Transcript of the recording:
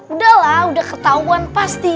udahlah udah ketahuan pasti